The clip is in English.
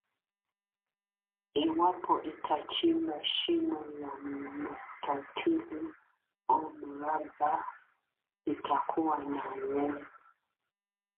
Iwapo utachimba shimo la mstatili au mraba litakuwa na urefu,